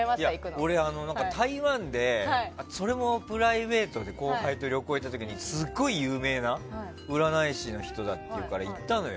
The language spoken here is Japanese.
俺、台湾でそれもプライベートで後輩と旅行行った時にすごい有名な占い師の人だというから行ったのよ。